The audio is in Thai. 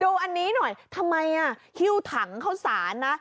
ดูอันนี้หน่อยทำไมฮิ้วถังเข้าสารนะ